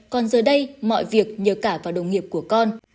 còn giờ đây mọi việc nhờ cả vào đồng nghiệp của con